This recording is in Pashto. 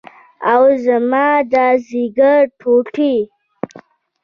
اوه زما د ځيګر ټوټې.